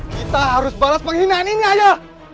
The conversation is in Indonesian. kita harus balas penghinaan ini aja